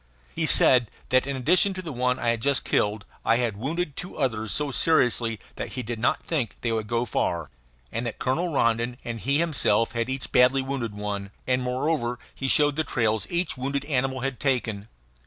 He said that in addition to the one I had just killed I had wounded two others so seriously that he did not think they would go far, and that Colonel Rondon and he himself had each badly wounded one; and, moreover, he showed the trails each wounded animal had taken.